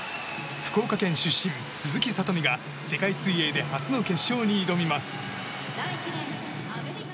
福岡県出身、鈴木聡美が世界水泳で初の決勝に挑みます。